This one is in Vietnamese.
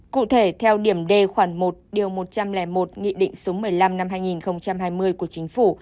cụ thể theo điểm d khoản một điều một trăm linh một nghị định số một mươi năm năm hai nghìn hai mươi của chính phủ